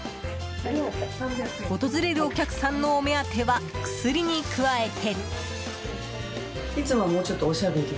訪れるお客さんのお目当ては薬に加えて。